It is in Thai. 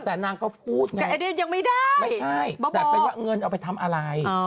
แต่นางก็พูดไงยังไม่ได้ไม่ใช่แต่เป็นว่าเงินเอาไปทำอะไร